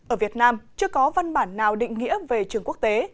ở việt nam chưa có văn bản nào định nghĩa về trường quốc tế